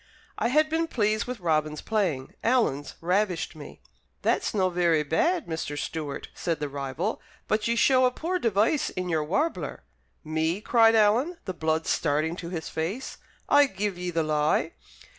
I had been pleased with Robin's playing, Alan's ravished me. "That's no very bad, Mr. Stewart," said the rival, "but ye show a poor device in your warbler." "Me!" cried Alan, the blood starting to his face. "I give ye the lie."